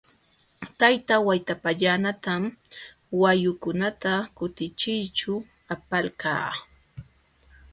Tayta Waytapallanatam wayukunata kutichiyćhu apalqaa.